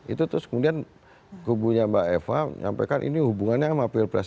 itu terus kemudian kubunya mbak eva nyampaikan ini hubungannya sama pilpres